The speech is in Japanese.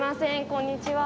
こんにちは。